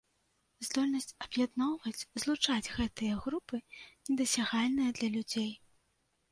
Здольнасць аб'ядноўваць, злучаць гэтыя групы недасягальная для людзей.